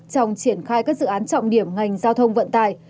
trong triển khai các dự án trọng điểm ngành giao thông vận tải